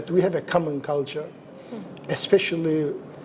bahwa kita memiliki kultur yang berkumpulan